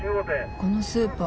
このスーパー